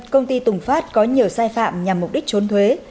công ty tùng phát có nhiều sai phạm nhằm mục đích trốn thuế